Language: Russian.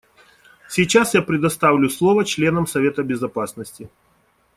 Сейчас я предоставлю слово членам Совета Безопасности.